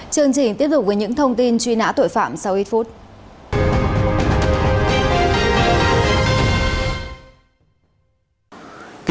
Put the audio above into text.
chương trình tiếp tục với những thông tin truy nã tội phạm sau ít phút